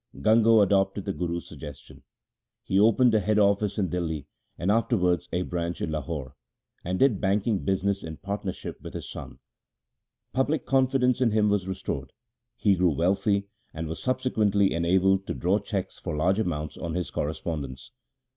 Gango adopted the Guru's suggestion. He opened a head office in Dihli, and afterwards a branch in Lahore, and did banking business in partnership with his son. Public confidence in him was restored, he grew wealthy, and was subsequently enabled to draw cheques for large amounts on his correspondents.